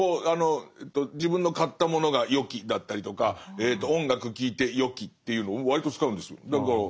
自分の買ったものが「よき」だったりとか音楽聴いて「よき」っていうの割と使うんですよ。